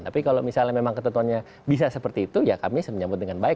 tapi kalau misalnya memang ketentuannya bisa seperti itu ya kami menyambut dengan baik